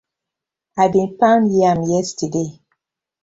I bin pawn yam yestade.